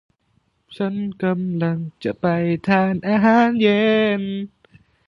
ฉันกำลังจะไปทานอาหารเย็น